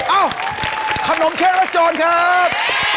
เอ้าขนมเข้และโจรครับ